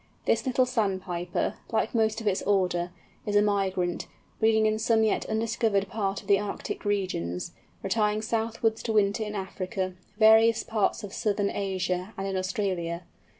This little Sandpiper, like most of its order, is a migrant, breeding in some yet undiscovered part of the Arctic regions, retiring southwards to winter in Africa, various parts of southern Asia and in Australia.